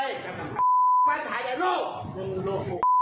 เอามามา